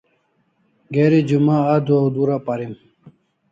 Geri Juma adua o dura parim